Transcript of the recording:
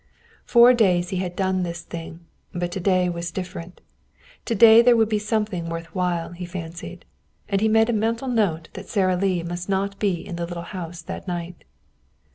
Four days he had done this thing, but to day was different. To day there would be something worth while, he fancied. And he made a mental note that Sara Lee must not be in the little house that night.